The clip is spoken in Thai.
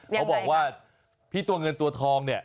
เขาบอกว่าพี่ตัวเงินตัวทองเนี่ย